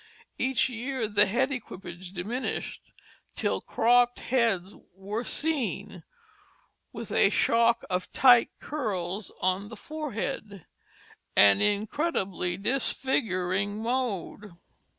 Each year the "head equipage" diminished, till cropped heads were seen, with a shock of tight curls on the forehead an incredibly disfiguring mode.